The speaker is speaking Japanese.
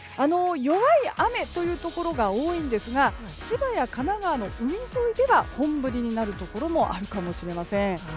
弱い雨というところが多いんですが千葉や神奈川の海沿いでは本降りになるところもあるかもしれません。